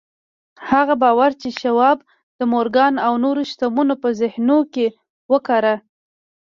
هغه باور چې شواب د مورګان او نورو شتمنو په ذهنونو کې وکاره.